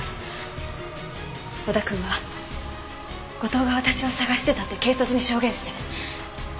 織田くんは後藤が私を捜してたって警察に証言して。